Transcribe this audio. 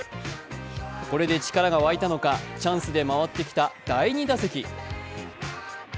これで力が湧いたのか、チャンスで回ってきた第２打席。